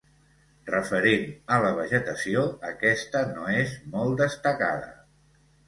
Referent a la vegetació, aquesta no és molt destacada.